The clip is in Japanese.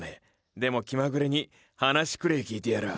でも気まぐれに話くれぇ聞いてやらぁ。